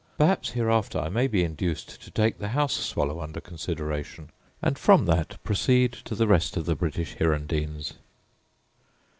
Perhaps hereafter I may be induced to take the house swallow under consideration, and from that proceed to the rest of the British hirundines.